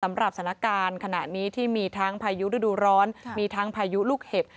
สำหรับสถานการณ์ขณะนี้ที่มีทั้งพายุฤดูร้อนมีทั้งพายุลูกเห็บ